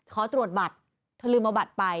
ขอตรวจบัตรเธอลืมเอาบัตรไป